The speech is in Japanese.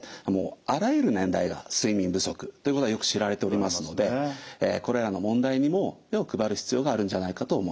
あらゆる年代が睡眠不足ということはよく知られておりますのでこれらの問題にも目を配る必要があるんじゃないかと思います。